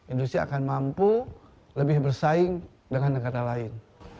industri akan mampu lebih bersaing dengan negara lain